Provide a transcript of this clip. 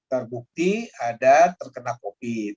terbukti ada terkena covid